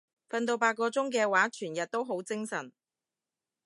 瞓到八個鐘嘅話全日都好精神